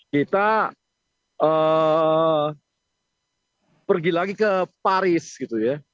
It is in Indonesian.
kita pergi lagi ke paris gitu ya